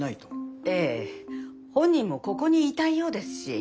ええ本人もここにいたいようですし。